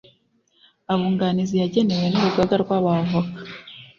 Abunganizi yagenewe n’urugaga rw’abavoka